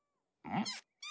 ん？